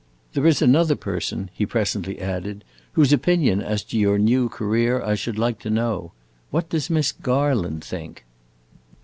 There is another person," he presently added, "whose opinion as to your new career I should like to know. What does Miss Garland think?"